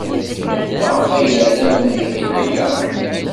Maɣef ay ran ad gen aya?